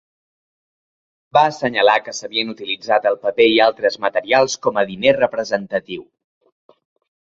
Va assenyalar que s'havien utilitzat el paper i altres materials com a diner representatiu.